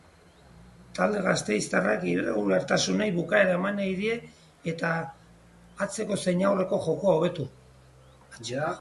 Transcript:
Talde gasteiztarrak irregulartasunei bukaera eman nahi die eta atseko zein aurreko jokoa hobetu.